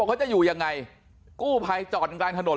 ก็อยู่ยังไงกู้ภัยจอดกลางถนน